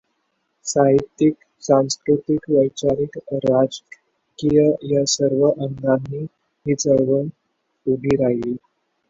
साहित्यिक, सांस्कृतिक, वैचारिक, राजकीय या सर्व अंगानी ही चळवळ उभी राहिली.